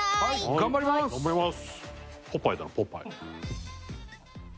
頑張ります！